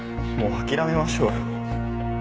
もう諦めましょうよ。